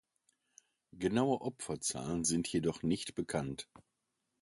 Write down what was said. Genaue Opferzahlen sind jedoch nicht bekannt.